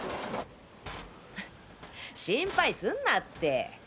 心配すんなって。